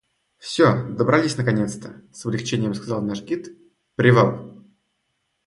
— Всё, добрались наконец-то, — с облегчением сказал наш гид, — привал!